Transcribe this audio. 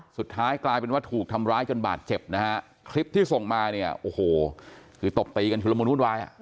สุดท้ายกลายเป็นว่าถูกทำร้ายจนบาดเจ็บนะฮะคลิปที่ส่งมาเนี่ยโอ้โหคือตบตีกันชุดละมุนวุ่นวายอ่ะ